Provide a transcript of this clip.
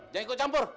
jangan ikut campur